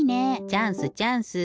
チャンスチャンス！